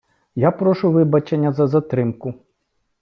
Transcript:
Я прошу вибачення за затримку!